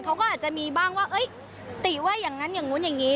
เขาก็อาจจะมีบ้างว่าติว่าอย่างนั้นอย่างนู้นอย่างนี้